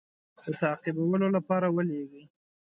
د تعقیبولو لپاره ولېږي.